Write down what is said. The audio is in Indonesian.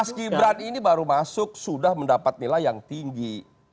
mas gibran ini baru masuk sudah mendapat nilai yang tinggi